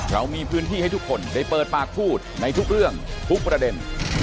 เรามีพื้นที่ให้ทุกคนได้เปิดปากพูดในทุกเรื่องทุกประเด็น